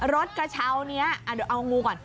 รถกระเช้านี้เอางูก่อน